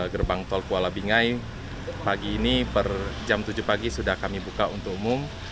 gerbang tol kuala bingai pagi ini per jam tujuh pagi sudah kami buka untuk umum